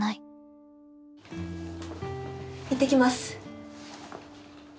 行ってきます。